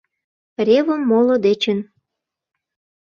Ревым моло дечын